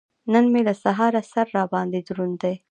نن مې له سهاره سر را باندې دروند دی.